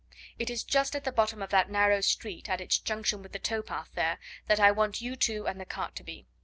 It is just at the bottom of that narrow street at its junction with the tow path there that I want you two and the cart to be.